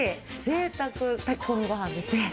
ぜいたく炊き込みご飯ですね。